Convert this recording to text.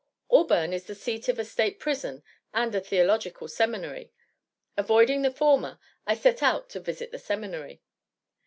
Auburn is the seat of a State Prison and a Theological Seminary. Avoiding the former, I set out to visit the seminary.